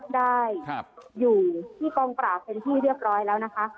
ได้อยู่ที่กองปราบเป็นที่เรียบร้อยแล้วนะคะ